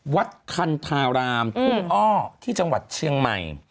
วัดคันธารามทุ่งอ้อที่จังหวัดเชียงใหม่